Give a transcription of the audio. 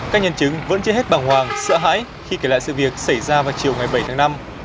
các nhân chứng vẫn chưa hết bằng hoàng sợ hãi khi kể lại sự việc xảy ra vào chiều ngày bảy tháng năm